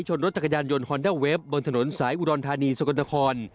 ชนรถจักรยานยนต์ฮอนด้าเวฟบนถนนสายอุดรธานีสกลนคร